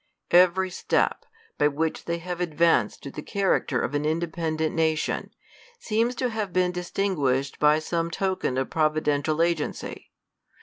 Every step, by which they have advanced to the character of. an independent nation, seems to have been distinguish ed by some token of providential agency.